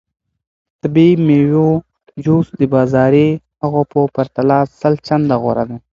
د طبیعي میوو جوس د بازاري هغو په پرتله سل چنده غوره دی.